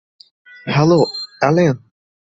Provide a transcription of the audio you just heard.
Hello, Allen.